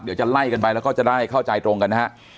เดี๋ยวจะไล่กันไปแล้วก็จะได้เข้าใจตรงกันนะฮะ